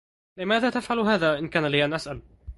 لماذا تفعل هذا إن كان لي أن أسأل؟